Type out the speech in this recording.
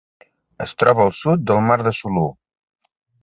Es troba al sud del Mar de Sulu.